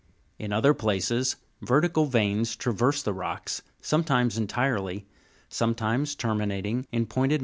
In other places vertical veins traverse the rock (Jig> 285), sometimes entirely, sometimes terminating in pointed Fig.